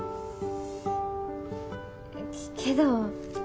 けど。